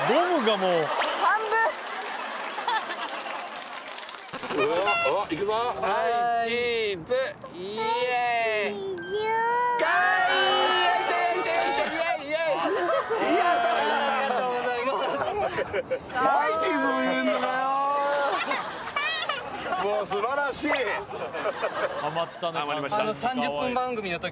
もう素晴らしいえーっ！